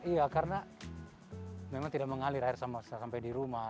iya karena memang tidak mengalir air sampai di rumah